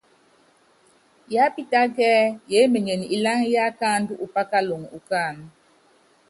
Yiápítáka ɛ́ɛ́ yémenyen iláŋa yíikáandú upákalɔŋu ukáánɛ́.